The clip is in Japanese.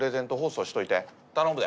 頼むで。